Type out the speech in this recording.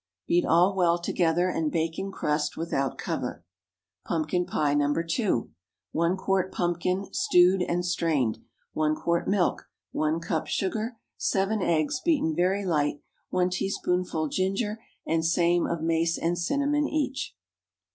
Beat all well together, and bake in crust without cover. PUMPKIN PIE (No. 2.) 1 quart pumpkin—stewed and strained. 1 quart milk. 1 cup sugar. 7 eggs—beaten very light. 1 teaspoonful ginger, and same of mace and cinnamon each.